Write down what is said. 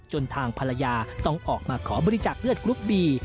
จนทางภรรยาต้องออกมาขอบริจาคเลือดกรุ๊ปบี